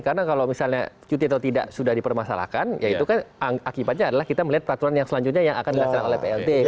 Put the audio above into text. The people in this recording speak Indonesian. karena kalau misalnya cuti atau tidak sudah dipermasalahkan ya itu kan akibatnya adalah kita melihat peraturan yang selanjutnya yang akan dilaksanakan oleh plt